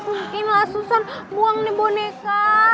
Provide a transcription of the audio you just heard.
mak gak mungkin lah susahan buang nih boneka